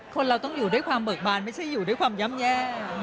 เราต้องอยู่ด้วยความเบิกบานไม่ใช่อยู่ด้วยความย่ำแย่